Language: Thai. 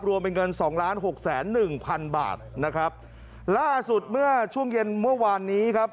รวมเป็นเงินสองล้านหกแสนหนึ่งพันบาทนะครับล่าสุดเมื่อช่วงเย็นเมื่อวานนี้ครับ